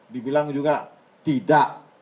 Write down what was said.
dibilang juga tidak